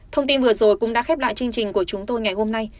thông tin vừa rồi cũng đã khép lại chương trình của chúng tôi ngày hôm nay